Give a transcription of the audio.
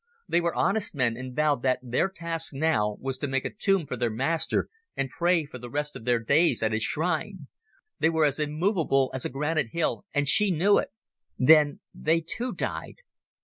They were honest men, and vowed that their task now was to make a tomb for their master and pray for the rest of their days at his shrine. They were as immovable as a granite hill and she knew it.... Then they, too, died."